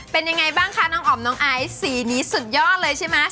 เป็นยังไงบ้างคะน้องอ๋อมน้องไอซ์สีนี้สุดยอดเลยใช่ไหม